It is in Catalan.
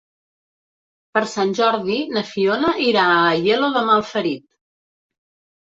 Per Sant Jordi na Fiona irà a Aielo de Malferit.